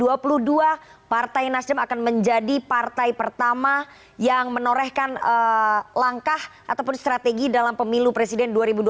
baik baik kita tunggu nanti bagaimana konstelasi politiknya sangat menarik sekali tujuh belas juni dua ribu dua puluh dua partai nasdem akan menjadi partai pertama yang menorehkan langkah ataupun strategi dalam pemilu presiden dua ribu dua puluh empat